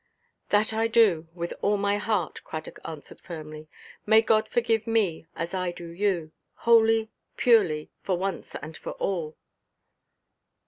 "That I do, with all my heart," Cradock answered firmly. "May God forgive me as I do you. Wholly, purely, for once and for all!"